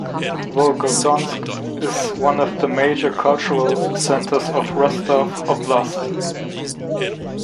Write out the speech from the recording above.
Volgodonsk is one of the major cultural centers of Rostov Oblast.